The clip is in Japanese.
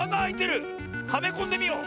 はめこんでみよう！